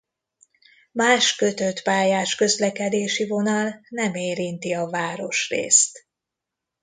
Más kötöttpályás közlekedési vonal nem érinti a városrészt.